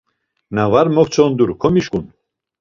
Na var moǩtzondur, komişǩun.